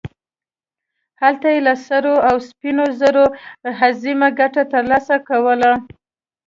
هلته یې له سرو او سپینو زرو عظیمه ګټه ترلاسه کوله.